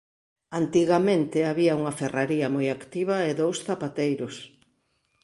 Antigamente había unha ferraría moi activa e dous zapateiros.